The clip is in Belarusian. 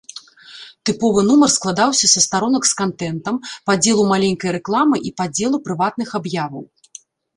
Тыповы нумар складаўся са старонак з кантэнтам, падзелу маленькай рэкламы і падзелу прыватных аб'яваў.